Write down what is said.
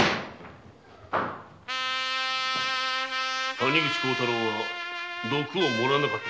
谷口孝太郎は毒を盛らなかったぞ。